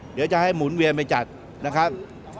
เดี๋ยวจะให้หมุนเวียนไปจัดนะครับ